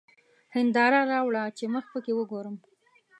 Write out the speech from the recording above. هېنداره راوړه چي مخ پکښې وګورم!